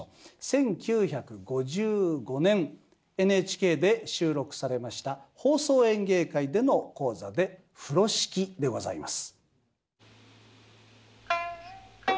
１９５５年ＮＨＫで収録されました「放送演芸会」での高座で「風呂敷」でございます。